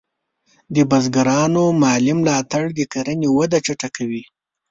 د بزګرانو مالي ملاتړ د کرنې وده چټکه کوي.